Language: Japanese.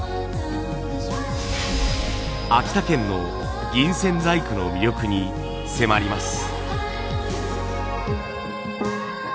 秋田県の銀線細工の魅力に迫ります。